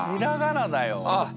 あっ。